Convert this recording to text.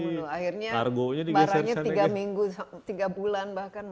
akhirnya barangnya tiga minggu tiga bulan bahkan masih tersandar